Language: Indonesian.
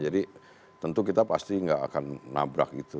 jadi tentu kita pasti tidak akan nabrak gitu